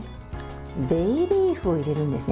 ベイリーフを入れるんですね。